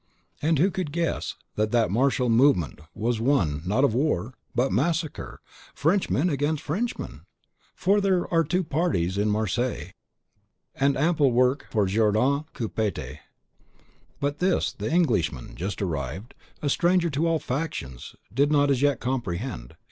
And who could guess that that martial movement was one, not of war, but massacre, Frenchmen against Frenchmen? For there are two parties in Marseilles, and ample work for Jourdan Coupe tete! But this, the Englishman, just arrived, a stranger to all factions, did not as yet comprehend.